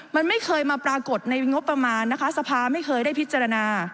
มันไม่เคยมาปรากฏในงบประมาณนะคะสภาไม่เคยได้พิจารณา